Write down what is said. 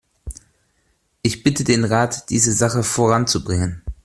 Ich bitte den Rat, diese Sache voranzubringen.